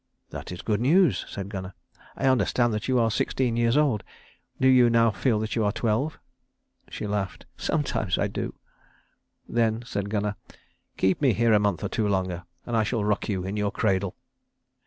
"That is good news," said Gunnar. "I understand that you are sixteen years old. Do you now feel that you are twelve?" She laughed. "Sometimes I do." "Then," said Gunnar, "keep me here a month or two longer and I shall rock you in your cradle."